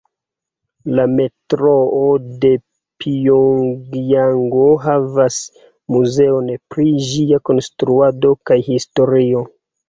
La Metroo de Pjongjango havas muzeon pri ĝia konstruado kaj historio.